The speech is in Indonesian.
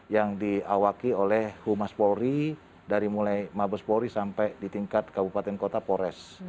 yang diawaki oleh humas polri dari mulai mabes polri sampai di tingkat kabupaten kota pores